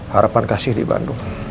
harapan kasih di bandung